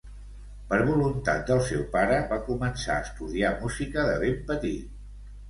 Per voluntat del seu pare, va començar a estudiar música de ben petit.